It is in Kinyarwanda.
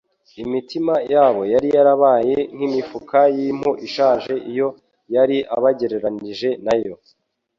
Imitima ya bo yari yarabaye nk'imifuka y'impu ishaje iyo yari abagereranije na yo.